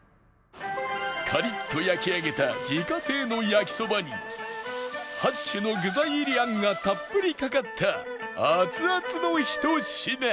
カリッと焼き上げた自家製の焼そばに８種の具材入りあんがたっぷりかかった熱々のひと品